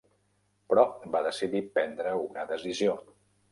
Però va decidir prendre una decisió.